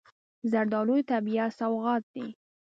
زردالو د طبیعت سوغات دی.